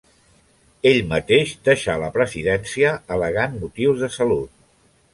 Ell mateix deixà la presidència al·legant motius de salut.